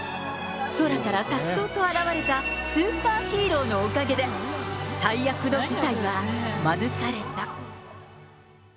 空からさっそうと現れたスーパーヒーローのおかげで、最悪の事態は免れた。